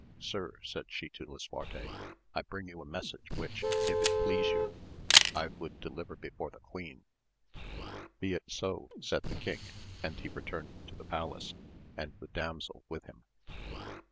Sir, said she to Lisuarte, I bring you a message which, if it please you, I would deliver before the queen. Be it so, said the king, and he returned to the palace, and the damsel with him.